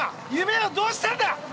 夢はどうしたんだ？